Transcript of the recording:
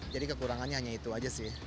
jadi kekurangannya hanya itu aja sih